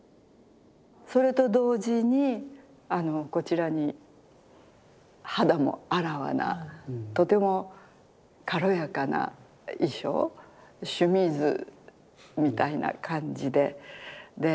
それと同時にこちらに肌もあらわなとても軽やかな衣装シュミーズみたいな感じで。